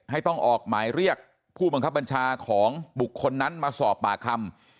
ต้องออกหมายเรียกผู้บังคับบัญชาของบุคคลนั้นมาสอบปากคำ